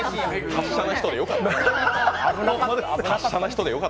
達者な人でよかったよ。